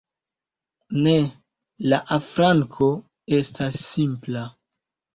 Ne, la afranko estas simpla.